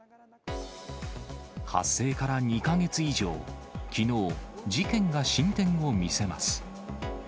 発生から２か月以上、きのう、事件が進展を見せます。